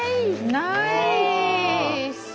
ナイス！